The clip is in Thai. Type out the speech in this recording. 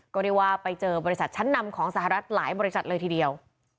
ก็เรียกว่าไปเจอบริษัทชั้นนำของสหรัฐหลายบริษัทเลยทีเดียว